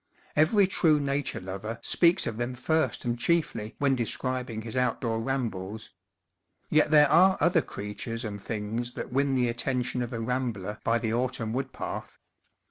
Every true nature lover speaks of them first and chiefly when describing his outdoor ram bles. Yet there are other creatures and things that win the attention of a rambler by the autumn wood path.